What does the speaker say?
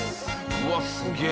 うわっすげえ。